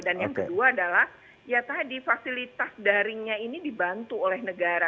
dan yang kedua adalah ya tadi fasilitas daringnya ini dibantu oleh negara